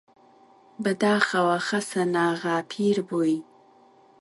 بەداخەوە خەسەناغا پیر بووی!